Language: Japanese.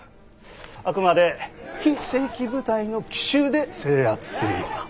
あくまで非正規部隊の奇襲で制圧するのだ。